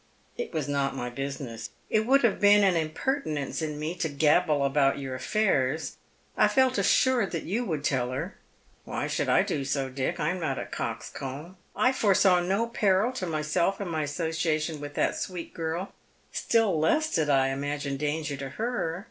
" It was not my business. It would have been an impertinence in me to gabble about your affairs. I felt assured that you would tell her." " Why should I do so, Dick ? I am not a coxcomb. I fore saw no peril to myself in my association with that sweet girl, still less did I imagine danger to her.